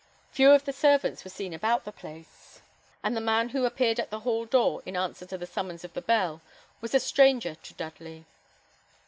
Few of the servants were seen about the place; and the man who appeared at the hall door, in answer to the summons of the bell, was a stranger to Dudley.